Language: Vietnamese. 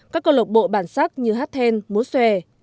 các cơ lộc bộ bản sắc như hát then múa xòe